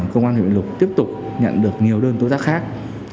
công an huyện lục tiếp tục nhận được nhiều đơn tố giác khác